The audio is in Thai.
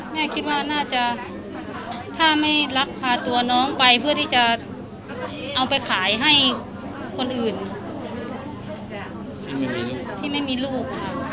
แม่คิดว่าน่าจะถ้าไม่ลักพาตัวน้องไปเพื่อที่จะเอาไปขายให้คนอื่นที่ไม่มีลูกค่ะ